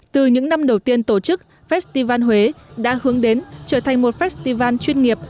từ những năm đầu tiên tổ chức festival huế đã hướng đến trở thành một festival chuyên nghiệp